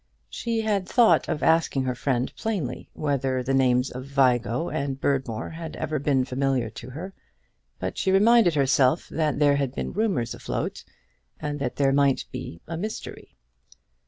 She had thought of asking her friend plainly whether the names of Vigo and Berdmore had ever been familiar to her; but she reminded herself that there had been rumours afloat, and that there might be a mystery.